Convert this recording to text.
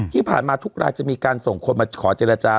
ที่ผ่านมาทุกรายจะมีการส่งคนมาขอเจรจา